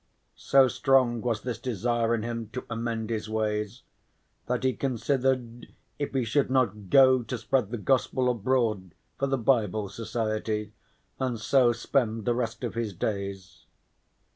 So strong was this desire in him to amend his ways that he considered if he should not go to spread the Gospel abroad, for the Bible Society, and so spend the rest of his days.